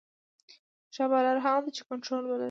ښه بالر هغه دئ، چي کنټرول ولري.